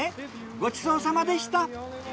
ごちそうさまでした。